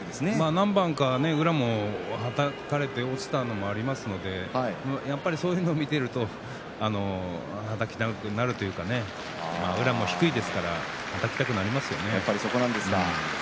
何番か、宇良もはたかれて落ちたということがありますのでそういうのを見ているとはたきたくなるというか宇良も低いですからはたきたくなりますよね。